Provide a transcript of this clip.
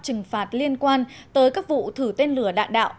trừng phạt liên quan tới các vụ thử tên lửa đạn đạo